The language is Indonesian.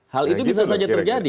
hal itu bisa saja terjadi